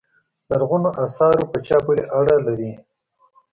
لرغونو اثار په چا پورې اړه لري.